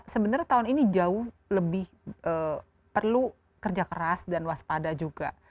sebenarnya tahun ini jauh lebih perlu kerja keras dan waspada juga